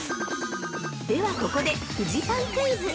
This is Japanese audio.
ではここで、フジパンクイズ！